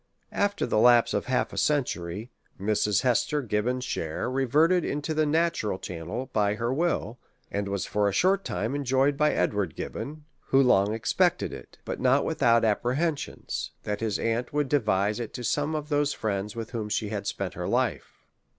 After the lapse of half a century, Mrs. Hester Gibbon's share reverted into the natural channel by her will, and was for a short time enjoyed by Edward Gibbon, who long expected it: but not without apprehensions, that his aunt would devise it to some of those friends with whom she had spent her life.